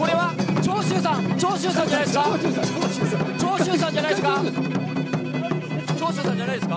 長州さんじゃないですか。